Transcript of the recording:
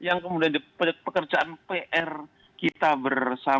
ini yang kemudian pekerjaan pr kita berusaha